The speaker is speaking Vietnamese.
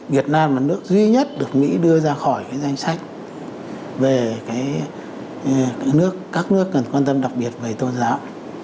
việt nam là nước duy nhất được mỹ đưa ra khỏi danh sách về nước các nước cần quan tâm đặc biệt về tôn giáo